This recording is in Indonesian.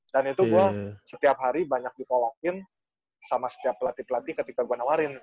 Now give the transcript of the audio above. dan itu gue setiap hari banyak di pollock in sama setiap pelatih pelatih ketika gue nawarin